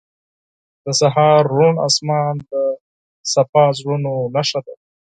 • د سهار روڼ آسمان د پاک زړونو نښه ده.